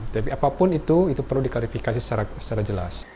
tapi apapun itu itu perlu diklarifikasi secara jelas